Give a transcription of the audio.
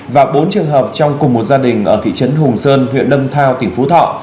và bốn trường hợp trong cùng một gia đình ở thị trấn hùng sơn huyện lâm thao tỉnh phú thọ